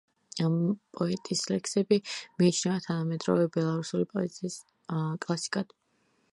ამ პოეტების ლექსები მიიჩნევა თანამედროვე ბელარუსული პოეზიის კლასიკად.